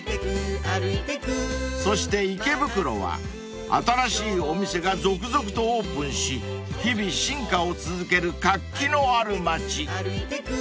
［そして池袋は新しいお店が続々とオープンし日々進化を続ける活気のある町］